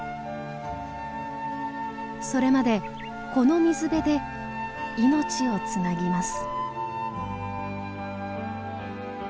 それまでこの水辺で命をつなぎます。